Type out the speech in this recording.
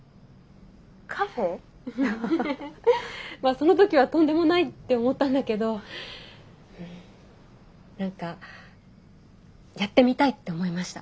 その時はとんでもないって思ったんだけど何かやってみたいって思いました。